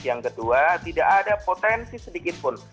yang kedua tidak ada potensi sedikit pun